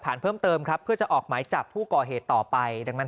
เพิ่มเติมครับเพื่อจะออกหมายจับผู้ก่อเหตุต่อไปดังนั้น